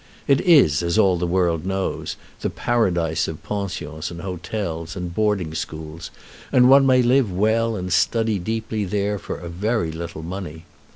It is, as all the world knows, the paradise of pensions and hotels and boarding schools, and one may live well and study deeply there for a very little money.